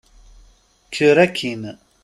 Kker akin!